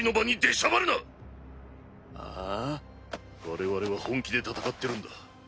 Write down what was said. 我々は本気で戦ってるんだ。